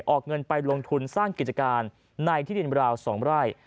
ออกเงินไปลงทุนสร้างกิจการในที่ดินราว๒ไร่